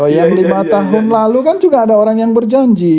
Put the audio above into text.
yang lima tahun lalu kan juga ada orang yang berjanji